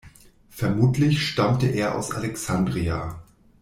Vermutlich stammte er aus Alexandria.